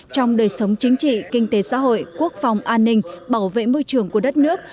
trong đời sống chính trị kinh tế xã hội quốc phòng an ninh bảo vệ môi trường của đất nước